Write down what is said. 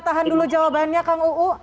tahan dulu jawabannya kang uu